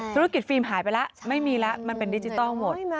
ธุรกิจฟิล์มหายไปแล้วไม่มีแล้วมันเป็นดิจิทัลหมด